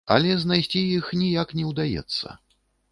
Але знайсці іх ніяк не ўдаецца.